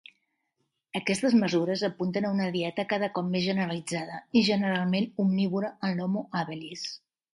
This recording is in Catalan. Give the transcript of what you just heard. Aquestes mesures apunten a una dieta cada cop més generalitzada i generalment omnívora en l'"Homo habilis".